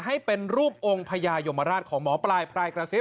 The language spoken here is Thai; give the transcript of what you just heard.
ให้เป็นรูปองค์พญายมราชของหมอปลายพรายกระซิบ